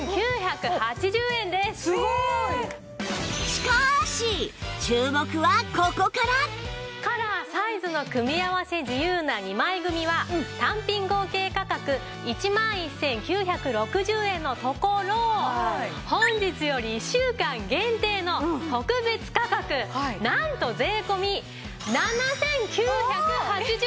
しかしカラー・サイズの組み合わせ自由な２枚組は単品合計価格１１９６０円のところ本日より１週間限定の特別価格なんと税込７９８０円です！